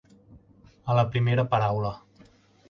A la primera paraula.